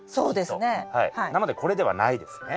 なのでこれではないですね。